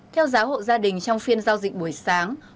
theo giá hộ gia đình trong phiên giao dịch buổi sáng